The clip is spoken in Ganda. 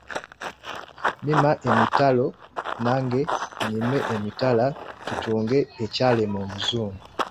Mima emitalo nange nnyime emitala tutunge ekyalema omuzungu.